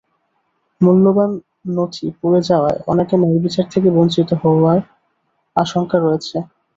মূল্যবান নথি পুড়ে যাওয়ায় অনেকে ন্যায়বিচার থেকে বঞ্চিত হওয়ার আশঙ্কা রয়েছে।